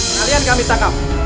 kalian kami tangkap